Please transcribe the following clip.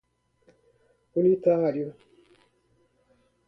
unitário